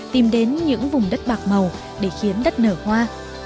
tìm đến những vùng đất bạc màu để khiến đất nở hoa